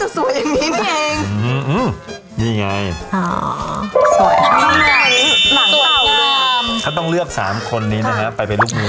อ๋อสวยนี่มันหลังจ่าวต้องเลือก๓คนนี้นะฮะไปลุกมือ